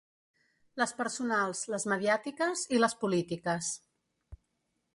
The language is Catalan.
Les personals, les mediàtiques i les polítiques.